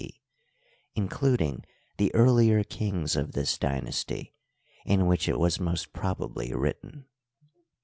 c), including the earlier kings of this dynasty, in which it was most probably written.